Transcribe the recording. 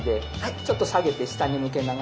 ちょっと下げて下に向けながら。